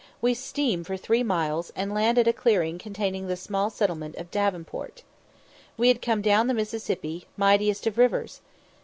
We steam for three miles, and land at a clearing containing the small settlement of Davenport. We had come down the Mississippi, mightiest of rivers!